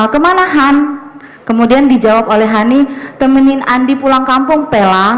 kemana han kemudian dijawab oleh honey temenin andi pulang kampung pela